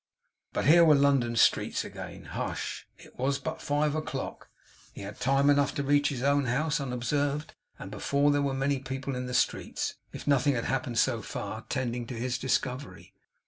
But here were London streets again. Hush! It was but five o'clock. He had time enough to reach his own house unobserved, and before there were many people in the streets, if nothing had happened so far, tending to his discovery.